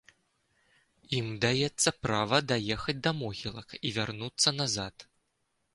Ім даецца права даехаць да могілак і вярнуцца назад.